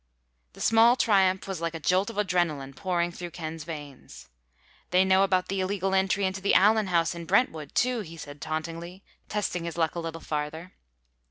The small triumph was like a jolt of adrenalin pouring through Ken's veins. "They know about the illegal entry into the Allen house in Brentwood, too," he said tauntingly, testing his luck a little farther.